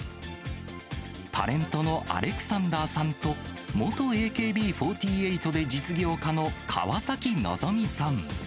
タレントのアレクサンダーさんと、元ＡＫＢ４８で実業家の川崎希さん。